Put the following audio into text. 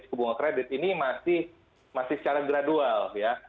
suku bunga kredit ini masih secara gradual ya